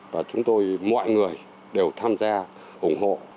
và chúng tôi mọi người đều tham gia ủng hộ